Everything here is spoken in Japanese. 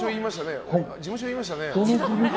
事務所言いましたね。